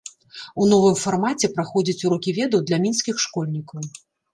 У новым фармаце праходзяць урокі ведаў для мінскіх школьнікаў.